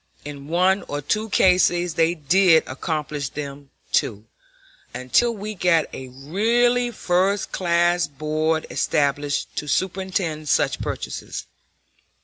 In one or two cases they did accomplish them too, until we got a really first class board established to superintend such purchases.